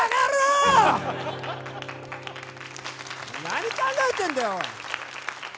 何考えてんだよ！